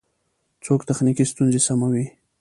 څوک تخنیکی ستونزی سموي؟